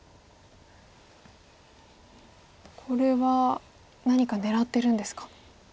これは何か狙ってるんですか？